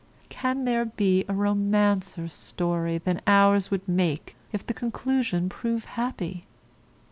Can there be a romancer story than ours would make if the conclusion prove happy?